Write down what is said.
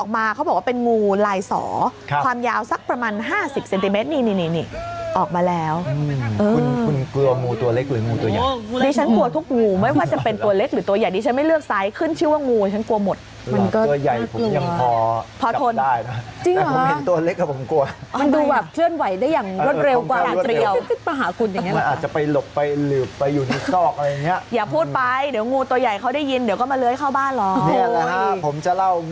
มีงูลายสอความยาวสักประมาณห้าสิบเซนติเมตรนี่ออกมาแล้วคุณกลัวงูตัวเล็กหรืองูตัวใหญ่ดิฉันกลัวทุกงูไม่ว่าจะเป็นตัวเล็กหรือตัวใหญ่ดิฉันไม่เลือกไซส์ขึ้นชื่อว่างงูฉันกลัวหมดมันก็ตัวใหญ่ผมยังพอจับได้แต่ผมเห็นตัวเล็กอะผมกลัวมันดูแบบเชื่อนไหวได้อย่างรวดเร็วกว่าอา